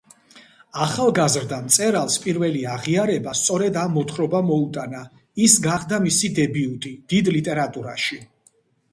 ახალგაზრდა მწერალს პირველი აღიარება სწორედ ამ მოთხრობამ მოუტანა, ის გახდა მისი დებიუტი „დიდ ლიტერატურაში“.